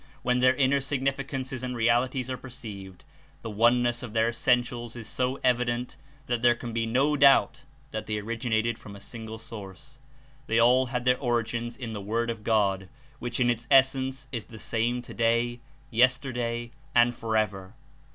When their inner significances and realities are perceived, the oneness of their essentials is so evident there can be no doubt that they originated from a single source. They all had their origins in the Word of God, which In its essence is the same today, yesterday and forever.